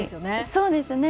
そうですね。